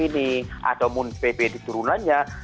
ini atau mun pp di turunannya